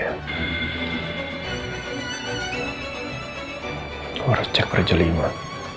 aku harus cek perjeliman